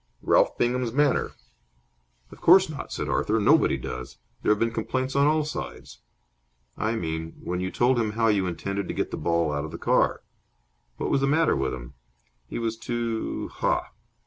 "Ralph Bingham's manner." "Of course not," said Arthur. "Nobody does. There have been complaints on all sides." "I mean, when you told him how you intended to get the ball out of the car." "What was the matter with him?" "He was too ha!"